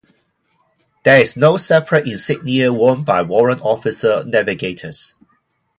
There is no separate insignia worn by warrant officer navigators.